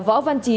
võ văn chí